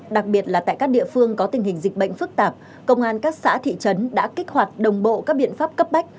đặc biệt là tại các địa phương có tình hình dịch bệnh phức tạp công an các xã thị trấn đã kích hoạt đồng bộ các biện pháp cấp bách